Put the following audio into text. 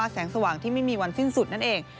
แสงสว่างที่ไม่มีวันสิ้นสุดนั่นเอง